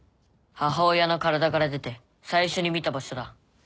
母親の体から出て最初に見た場所だ。